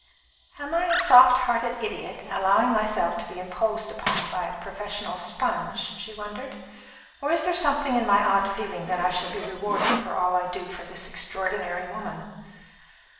"Am I a soft hearted idiot, allowing myself to be imposed upon by a professional 'sponge'?" she wondered; "or is there something in my odd feeling that I shall be rewarded for all I do for this extraordinary woman?"